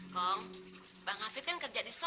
kau bang hafid kan kerja di sana